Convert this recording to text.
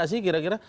gak sih kira kira